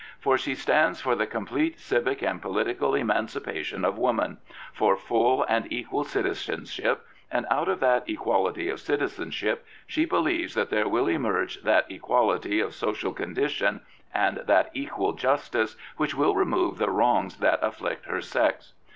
For she stands for the complete civic and political emancipation of woman, for full and equal citizenship, and out of that equality of citizenship she believes there will emerge that equality of social condition and that equal justice which will remove the wrongs that afflict her sex.